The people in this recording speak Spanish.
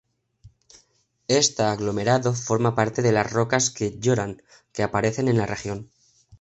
Esta aglomerado forma parte de las rocas que "lloran" que aparecen en la región.